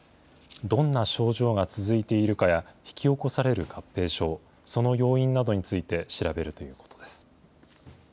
どんな症状が続いているかや、引き起こされる合併症、その要因などについて調べるということです。